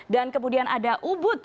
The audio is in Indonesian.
dan kemudian ada ubud